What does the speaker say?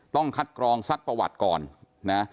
ต้องคัดกรองซักประวัติก่อนนะ